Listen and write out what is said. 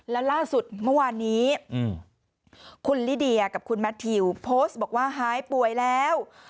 แล้วล่าสุดเมื่อวานนี้คุณลิเดียกับคุณแมททิวโพสต์บอกว่าหายป่วยแล้ว